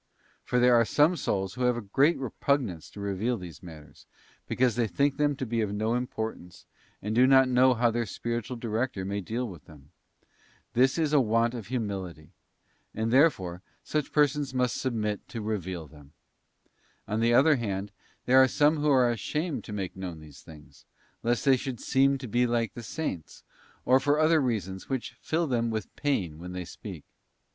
For there are some souls who have a great repugnance to reveal these matters, because they think them to be of no importance, and do not know how their spiritual director may deal with them. This is a want of humility, and therefore such persons must 2. Detach ment of spirit. 3. Humility. BOOK Advice to Spiritual Directors, 166 THE ASCENT OF MOUNT CARMEL. submit to reveal them. On the other hand, there are some who are ashamed to make known these things, lest they should seem to be like the Saints, or for other reasons which fill them with pain when they speak.